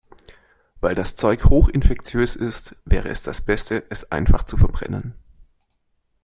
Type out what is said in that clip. Weil das Zeug hoch infektiös ist, wäre es das Beste, es einfach zu verbrennen.